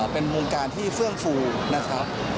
เป็นวงการที่เฟื่องฟูนะครับ